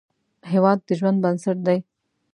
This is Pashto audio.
هیواد د ژوند بنسټ دی